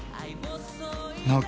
直樹